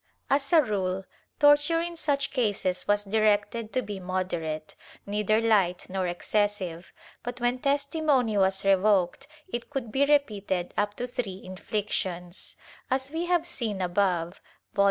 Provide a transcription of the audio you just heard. As a rule torture in such cases was directed to be moderate, neither hght nor excessive, but when testimony was revoked it could be repeated up to three inflictions,^ As we have seen above (Vol.